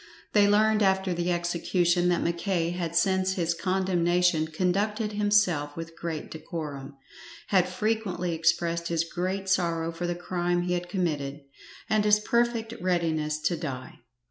They learned after the execution that Mackay had since his condemnation conducted himself with great decorum, had frequently expressed his great sorrow for the crime he had committed, and his perfect readiness to die.